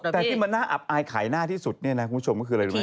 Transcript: แล้ววันนี้มันอาบอายไข้หน้าที่สุดนะคุณผู้ชม